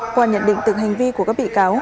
qua nhận định từng hành vi của các bị cáo